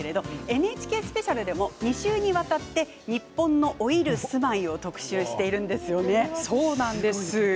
ＮＨＫスペシャルでも２週にわたって日本の老いる住まいをそうなんです。